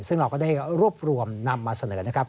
ซึ่งเราก็ได้รวบรวมนำมาเสนอนะครับ